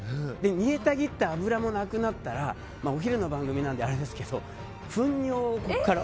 煮えたぎった油もなくなったらお昼の番組なのであれですが糞尿を。